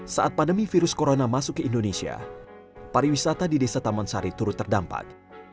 saat pandemi virus corona masuk ke indonesia pariwisata di desa taman sari turut terdampak